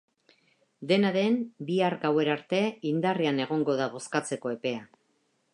Dena den, bihar gauera arte indarrean egongo da bozkatzeko epea.